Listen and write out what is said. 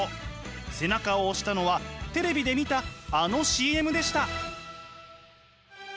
背中を押したのはテレビで見たあのＣＭでした。